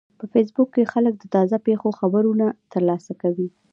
په فېسبوک کې خلک د تازه پیښو خبرونه ترلاسه کوي